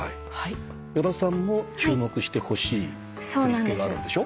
与田さんも注目してほしい振り付けがあるんでしょ？